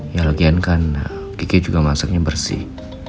ya lagian kan kiki juga masaknya bersih